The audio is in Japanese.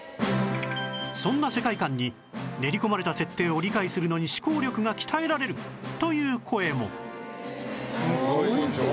そんな世界観に練り込まれた設定を理解するのに思考力が鍛えられるという声も